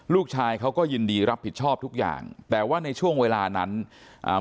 ลูกชายเขาก็ยินดีรับผิดชอบทุกอย่างแต่ว่าในช่วงเวลานั้นอ่า